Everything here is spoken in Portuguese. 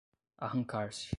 Arrancar-se